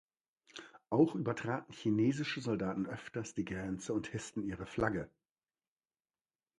Auch übertraten chinesische Soldaten öfters die Grenze und hissten ihre Flagge.